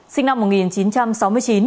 sinh năm một nghìn chín trăm sáu mươi chín